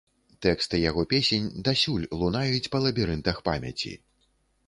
Тэксты яго песень дасюль лунаюць па лабірынтах памяці.